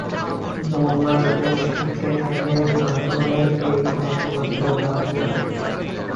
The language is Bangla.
বউমা যাতে সুখে থাকে, মাখনের এই একমাত্র ভাবনা।